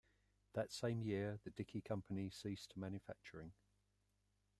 That same year, the Dickey Company ceased manufacturing.